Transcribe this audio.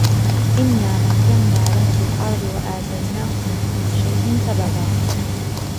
إنا مكنا له في الأرض وآتيناه من كل شيء سببا